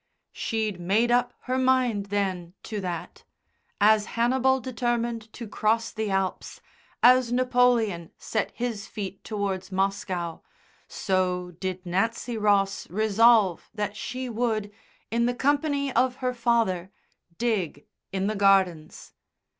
She'd made up her mind then to that. As Hannibal determined to cross the Alps, as Napoleon set his feet towards Moscow, so did Nancy Ross resolve that she would, in the company of her father, dig in the gardens.